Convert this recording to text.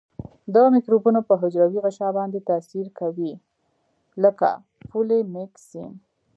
د مکروبونو په حجروي غشا باندې تاثیر کوي لکه پولیمیکسین.